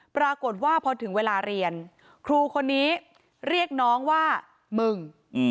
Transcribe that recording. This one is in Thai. ปรากฏว่าพอถึงเวลาเรียนครูคนนี้เรียกน้องว่ามึง